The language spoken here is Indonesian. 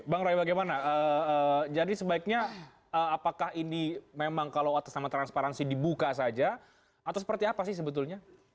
bang roy bagaimana jadi sebaiknya apakah ini memang kalau atas nama transparansi dibuka saja atau seperti apa sih sebetulnya